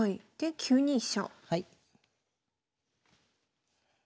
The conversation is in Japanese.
９三飛車。